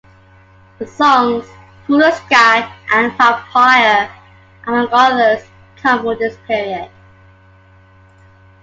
The songs "Coolest Guy" and "Vampire," among others, come from this period.